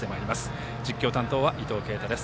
実況担当は伊藤慶太です。